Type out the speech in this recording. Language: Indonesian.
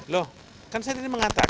loh kan saya tadi mengatakan